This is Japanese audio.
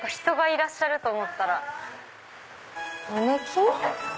人がいらっしゃると思ったらマネキン？